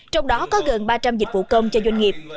trong đó có gần ba trăm linh dịch vụ công cho doanh nghiệp